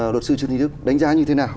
luật sư trương thi thức đánh giá như thế nào